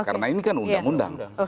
karena ini kan undang undang